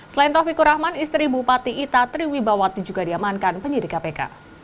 selain taufikur rahman istri bupati ita triwibawati juga diamankan penyidik kpk